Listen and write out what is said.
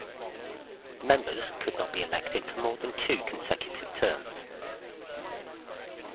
Members could not be elected for more than two consecutive terms.